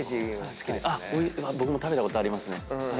僕も食べたことあります。